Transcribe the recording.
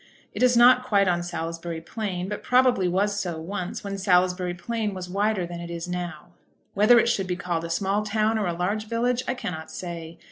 It is not quite on Salisbury Plain, but probably was so once, when Salisbury Plain was wider than it is now. Whether it should be called a small town or a large village I cannot say.